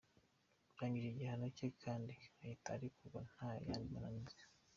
Urangije igihano cye kandi ahita arekurwa nta yandi mananiza.